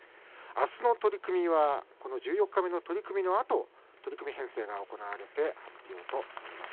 あすの取組は十四日目の取組のあと取組編成が行われます。